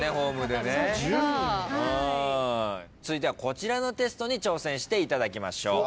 続いてはこちらのテストに挑戦していただきましょう。